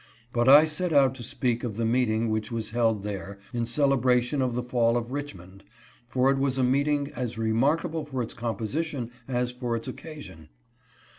But I set out to speak of the meeting which was held there, in MEETING IN BOSTON. 44V celebration of the fall of Richmond, for it was a meeting as remarkable for its composition as for its occasion.